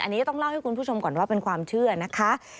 อันนี้ต้องเล่าให้คุณผู้ชมก่อนว่าเป็นความเชื่อนะคะ